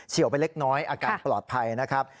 ี่ยวไปเล็กน้อยอาการปลอดภัยนะครับ